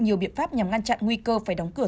nhiều biện pháp nhằm ngăn chặn nguy cơ phải đóng cửa